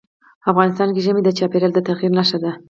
افغانستان کې ژمی د چاپېریال د تغیر نښه ده.